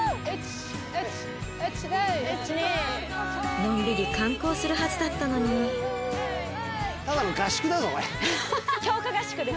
のんびり観光するはずだったのに強化合宿です